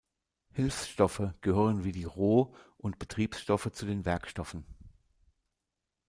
Hilfsstoffe gehören wie die Roh- und Betriebsstoffe zu den Werkstoffen.